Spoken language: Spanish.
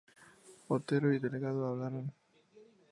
Otero y Delgado hablaron.